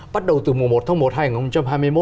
bắt đầu từ mùa một thông một hành hai nghìn hai mươi một